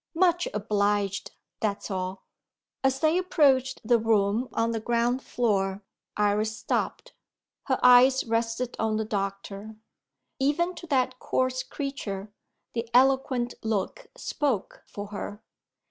"Much obliged. That's all." As they approached the room on the ground floor, Iris stopped: her eyes rested on the doctor. Even to that coarse creature, the eloquent look spoke for her.